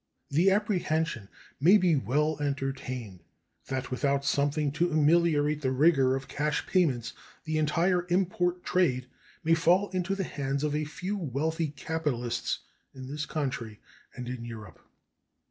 The apprehension may be well entertained that without something to ameliorate the rigor of cash payments the entire import trade may fall into the hands of a few wealthy capitalists in this country and in Europe.